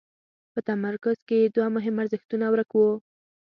په تمرکز کې یې دوه مهم ارزښتونه ورک وو.